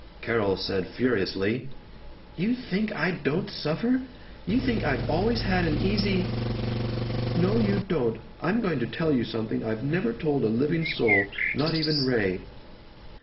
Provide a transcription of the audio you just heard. Carol said furiously, "You think I don't suffer? You think I've always had an easy " "No, you don't. I'm going to tell you something I've never told a living soul, not even Ray."